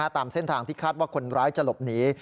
ตามเส้นทางที่คาดว่าคนร้ายจะหลบหนี